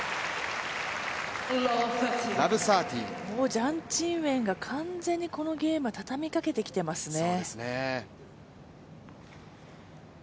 ジャン・チンウェンが完全にこのゲームはたたみかけてきていますね。